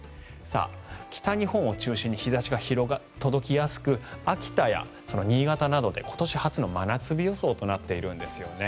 北日本を中心に日差しが届きやすく秋田や新潟などで今年初の真夏日予想となっているんですね。